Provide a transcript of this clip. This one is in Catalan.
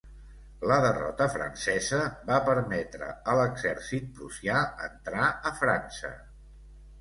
La derrota francesa va permetre a l'exèrcit prussià entrar a França.